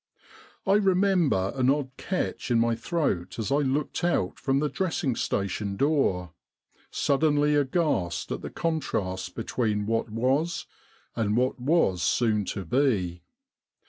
I remember an odd catch in my throat as I looked out from the dressing station door, suddenly aghast at the contrast between what was and what was soon to be.